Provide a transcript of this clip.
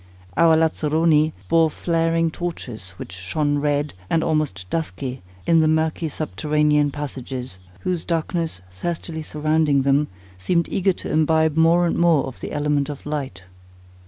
Our Lazzeroni bore flaring torches, which shone red, and almost dusky, in the murky subterranean passages, whose darkness thirstily surrounding them, seemed eager to imbibe more and more of the element of light.